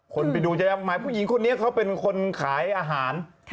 คนไปดูจะหมายผู้หญิงคนนี้เขาเป็นคนขายอาหาร